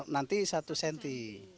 nanti satu senti